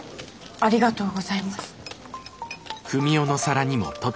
ありがとうございます。